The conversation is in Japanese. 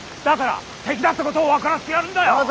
だから敵だってことを分からせてやるんだよ。